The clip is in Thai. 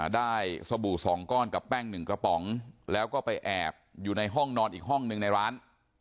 สบู่๒ก้อนกับแป้ง๑กระป๋องแล้วก็ไปแอบอยู่ในห้องนอนอีกห้องหนึ่งในร้าน